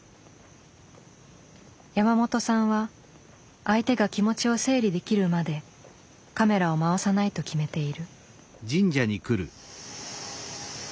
山本さんは相手が気持ちを整理できるまでカメラを回さないと決めている。